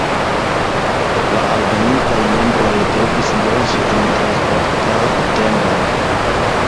La alvenintaj membroj devis loĝi en transportaj tendoj.